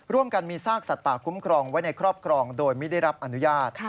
ร่วมกันมีซากสัตว์ป่าคุ้มครองไว้ในครอบครองโดยไม่ได้รับอนุญาต